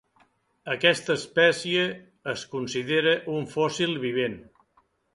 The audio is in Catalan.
Aquesta espècie es considera un fòssil vivent.